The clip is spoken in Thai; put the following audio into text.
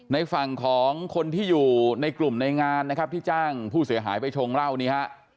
ในฝั่งของคนที่อยู่ในกลุ่มในงานนะครับที่จ้างผู้เสียหายไปชงเหล้านี้ฮะ